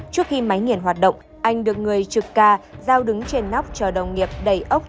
trước khi máy nghiền hoạt động anh được người trực ca giao đứng trên nóc chờ đồng nghiệp đầy ốc